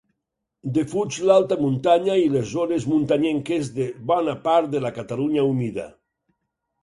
Defuig l'alta muntanya i les zones muntanyenques de bona part de la Catalunya humida.